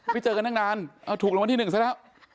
ไม่เจอกันนานถูกลงวันที่๑ซะนะ